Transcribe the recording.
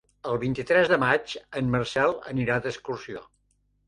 El vint-i-tres de maig en Marcel anirà d'excursió.